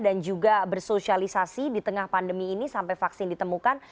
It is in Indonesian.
dan juga bersosialisasi di tengah pandemi ini sampai vaksin ditemukan